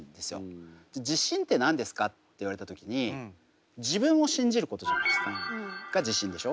自信って何ですか？って言われた時に自分を信じることじゃないですか。が自信でしょ？